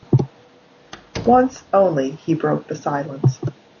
Once only he broke the silence.